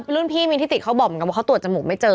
รุ่นพี่มินทิติเขาบอกเหมือนกันว่าเขาตรวจจมูกไม่เจอ